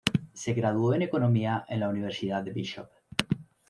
Se graduó en economía en la Universidad de Bishop.